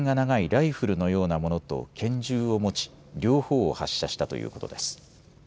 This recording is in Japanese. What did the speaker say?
ライフルのようなものと拳銃を持ち両方を発射したということです。